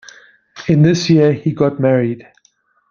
In this year, he got married.